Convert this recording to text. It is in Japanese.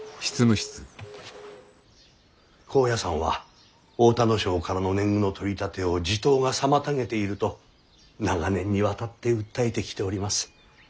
高野山は太田荘からの年貢の取り立てを地頭が妨げていると長年にわたって訴えてきております。